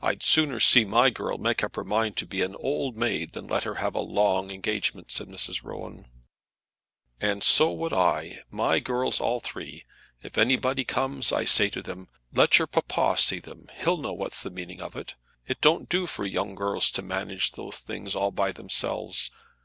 "I'd sooner see my girl make up her mind to be an old maid than let her have a long engagement," said Mrs. Rowan. "And so would I, my girls, all three. If anybody comes, I say to them, 'Let your papa see them. He'll know what's the meaning of it.' It don't do for young girls to manage those things all themselves.